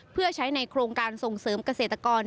เพื่อใช้ในโครงการส่งเสริมเกษตรกร